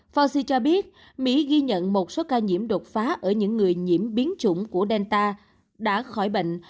faci cho biết mỹ ghi nhận một số ca nhiễm đột phá ở những người nhiễm biến chủng của delta đã khỏi bệnh